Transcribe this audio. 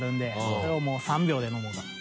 それをもう３秒で飲もうかと。